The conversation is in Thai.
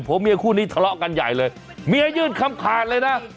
เมียคู่นี้ทะเลาะกันใหญ่เลยเมียยื่นคำขาดเลยนะ